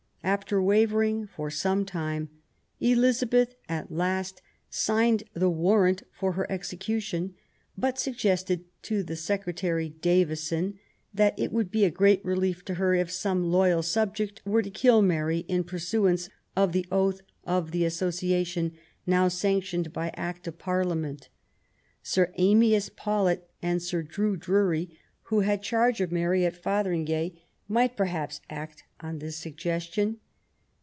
After wavering for some time, Elizabeth at last signed the warrant for her execution, but suggested to the Secretary, Davison, that it would be a great relief to her if some loyal subject were to kill Mary in pursuance of the oath of the association, now sanctioned by Act of Parliament ; Sir Amyas Paulet and Sir Drew Drury, who had charge of Mary at Fotheringay, might perhaps act on this suggestion.